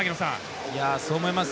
そう思います。